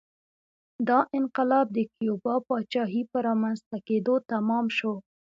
دا انقلاب د کیوبا پاچاهۍ په رامنځته کېدو تمام شو